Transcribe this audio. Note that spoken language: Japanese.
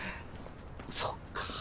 そっか。